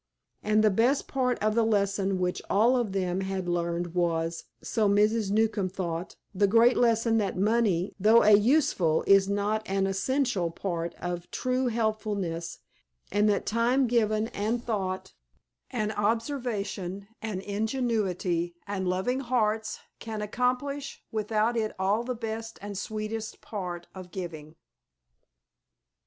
And the best part of the lesson which all of them had learned was, so Mrs. Newcombe thought, the great lesson that money, though a useful, is not an essential, part of true helpfulness, and that time given, and thought, and observation, and ingenuity, and loving hearts, can accomplish without it all the best and sweetest part of giving.